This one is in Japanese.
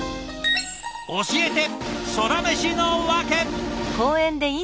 教えてソラメシのワケ！